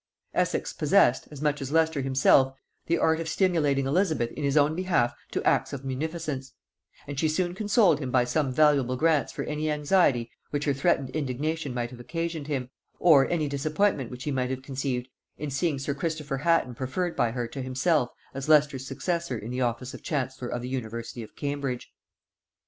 Essex possessed, as much as Leicester himself, the art of stimulating Elizabeth in his own behalf to acts of munificence; and she soon consoled him by some valuable grants for any anxiety which her threatened indignation might have occasioned him, or any disappointment which he might have conceived in seeing sir Christopher Hatton preferred by her to himself as Leicester's successor in the office of chancellor of the university of Cambridge.